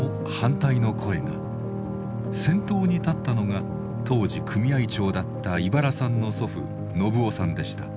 先頭に立ったのが当時組合長だった井原さんの祖父信夫さんでした。